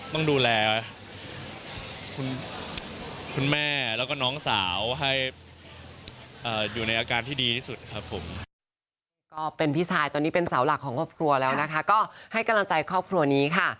ต้องดูแลคุณแม่แล้วก็น้องสาวให้อยู่ในอาการที่ดีที่สุดครับผม